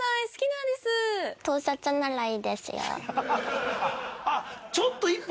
「盗撮ならいいですよ」っていう。